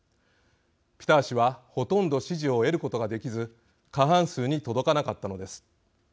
ピター氏はほとんど支持を得ることができず過半数に届かなかったのです。